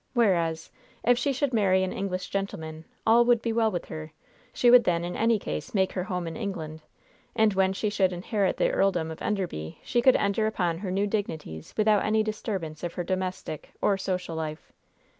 Whereas, if she should marry an English gentleman, all would be well with her; she would then in any case make her home in England, and when she should inherit the Earldom of Enderby she could enter upon her new dignities without any disturbance of her domestic or social life.